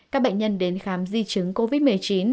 các bệnh nhân đến khám di chứng covid một mươi chín